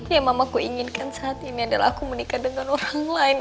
yang mamaku inginkan saat ini adalah aku menikah dengan orang lain